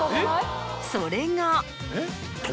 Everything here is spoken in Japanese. それが。